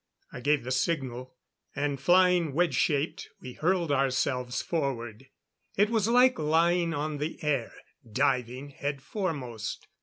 I gave the signal; and flying wedge shaped, we hurled ourselves forward. It was like lying on the air, diving head foremost.